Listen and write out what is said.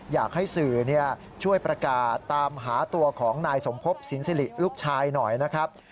อยากให้สื่อช่วยประกาศตามหาตัวของนายสมภพสินสิริลูกชายหน่อยนะครับ